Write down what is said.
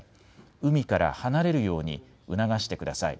海から離れるように促してください。